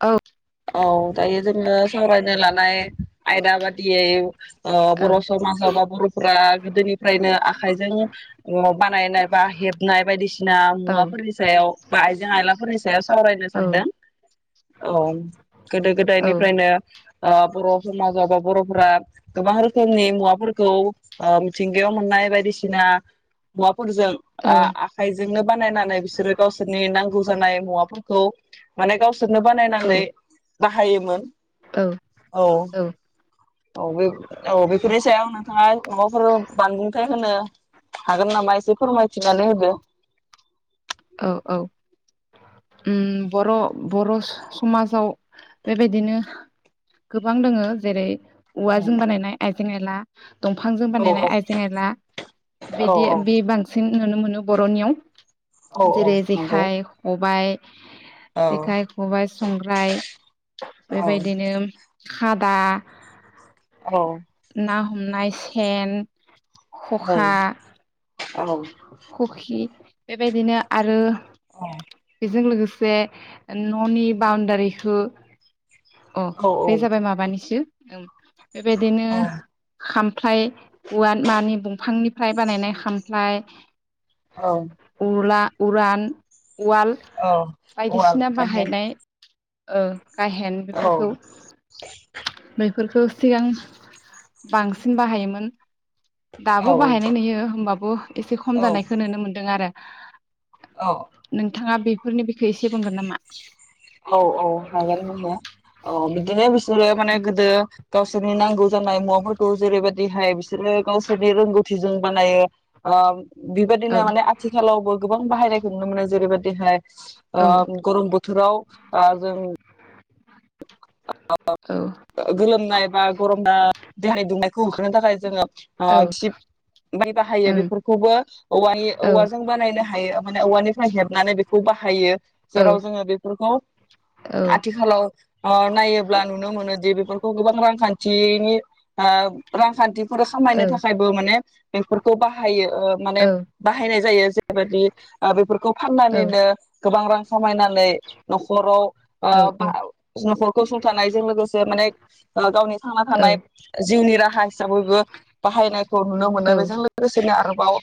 औ औ दायो जोंओ सावरायनो लनाय आयदा बायदियै औ बर' समाजाव बा बर'फोरा गोदोनिफ्रायनो आखाइजों बानायनाय बा हेबनाय बायदिसिना औ मुवाफोरनि सायाव [unintelligible] आयलाफोरनि सावारायनो औ सानदों औ गोदो औ गोदायनिफ्रायनो बर' समाजाव बा बर'फोरा गोबां रोखोमनि मुवाफोरखौ मिथिंगायाव मोननाय बायदिसिना मुवा फोरजों आखाइजों [unintelligible] बानायनानै बिसोरो गावसोरनि नांगौ जानाय मुवाफोरखौ माने [unintelligible] बानायनानै बाहायोमोन औ औ- औ -औ बेफोरनि सायाव नोंथाङा माबाफोर बानबुंथाय होनो हागोन नामा एसे फोरमायथिनानै होदो औ औ उम बर' बर' समाजाव बेबायदिनो गोबां दोङ जेरै औवा जों बानायनाय [unintelligible] ला दंफांजों बानायनाय औ आइजें आयला औ बिदि औ बे बांसिन नुनो मोनो बर'नियाव औ औ जेरै नंगौ जेखाइ खबाइ औ जेखाइ खबाइ संग्राय औ बेबायदिनो खादा औ ना हमनाय सेन खखा औ- औ [unintelligible] बेबायदिनो आरो अ जों लोगो बे न'नि बाउणडारिखो अ बे जाबाय माबानिसो ओम बेबायदिनो औ खाम फ्लाय औवा मानि दंफांनिफ्राय बानायनाय खामफ्लाय औ उला उरान उवाल औ औवाल बायदिसिना गाहेन बाहायनाय ओ गाहेन औ बेफोरखौ बेफोरखो सिगां बांसिन बाहायोमोन। औ दाबो बाहायनाय नुयो होमबाबो एसे खम औ जानायखौ नुनो मोनदों आरो। औ नोंथाङा बे फोरनि औ औ हागोन बुंनो औ बिदिनो बुस तु गोदो माने गोदो गावसोरनि नांगौ जानाय मुवाफोरखौ जेरैबदिहाय बिसोरो गावसोरनि रोंगौथिजों बानायो औ बेबायदिनो माने आथिखालावबो गोबां बाहायनायखौ नुनो मोनो जेरैबायदिहाय आ औ गरम बोथोराव बा जों औ गोलोमनायबा गरमनाय [unintelligible] होखांनो थाखाय जोंङो औ गिसिब बाहायो ओं बेफोरखौबो औवानि औ औवाजों बानायनो हायो। माने औवानिफ्राय हेबनानै बेखौ बाहायो। औ जेराव जोंङो बेफोरखौ औ आथिखालाव ओ ब्ला नुनो मोनो दि बेफोरखौ गोबां रांखान्थिनि ओ रांखान्थि फोर खामायनो औ थाखायबो माने बेफोरखौ बाहायो ओ औ माने बाहायनाय जायो जेरबायाददि बेफोरखौ औ फाननानैनो गोबां रां खामायनानानै न'खराव ओ औ बा न'खर गसंथानायजों लोगोसे माने गावनि थांना औ थानाय जिउनि राहा हिसाबैबो बाहायनायखौ नुनो मोनो औ बेजों लोगोसेनो आरो बाव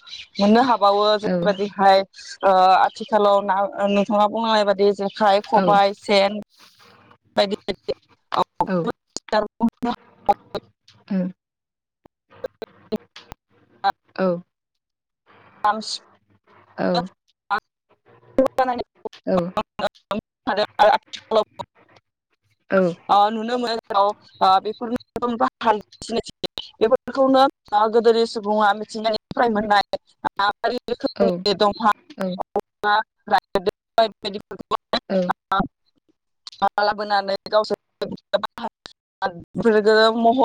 मोननो हाब बावो औ जेबादि हाय ओ आथिखालाव ना नोंथाङा बुंनाय बाददि जेखाइ खबाइ सेन बायदि बायदि औ [unintelligible] ह औ [unintelligible] औ [unintelligible] नुनो मोनो बेफोर [unintelligible] बेफोरखौनो गोदोनि सुबुङा मिथिनायनिफ्राय मोननाय औ रोखोमनि दंफां औ [unintelligible] औ [unintelligible] लाबोनानै गावसोर महर [unintelligible]